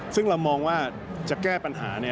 ซึ่งเรามองว่าจะแก้ปัญหา